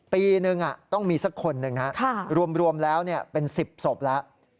ปีนึงต้องมีสักคนหนึ่งรวมแล้วเป็น๑๐ศพแล้ว